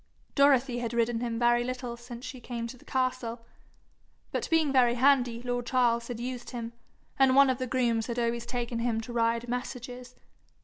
Dorothy had ridden him very little since she came to the castle, but being very handy, lord Charles had used him, and one of the grooms had always taken him to ride messages.